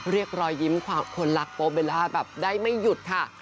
เรียกรอยยิ้มความคนรักโปเบลล่าแบบได้ไม่หยุดค่ะ